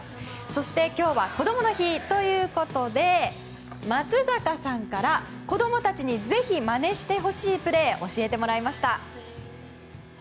そして今日はこどもの日ということで松坂さんから子供たちにぜひ、まねしてほしいプレー教えてもらいました。